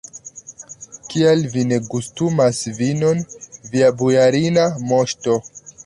Kial vi ne gustumas vinon, via bojarina moŝto?